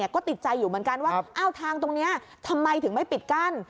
ก็ติดใจอยู่เหมือนกันว่าอ้าวทางตรงนี้ทำไมถึงไม่ปิดกั้น